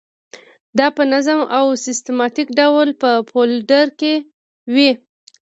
دا په منظم او سیستماتیک ډول په فولډر کې وي.